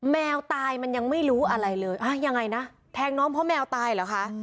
แมวตายมันยังไม่รู้อะไรเลยยังไงนะแทงน้องเพราะแมวตายเหรอคะ